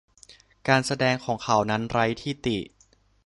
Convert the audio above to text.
การแสดงของเขานั้นไร้ที่ติ